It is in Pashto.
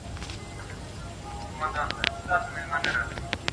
ټمبه ته يو گوز هم غنيمت دئ.